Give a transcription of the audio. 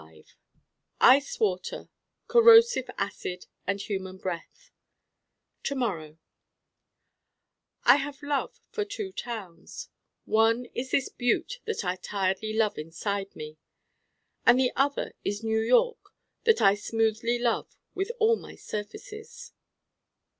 Ice water, corrosive acid and human breath To morrow I have love for two towns. One is this Butte that I tiredly love inside me. And the other is New York that I smoothly love with all my surfaces.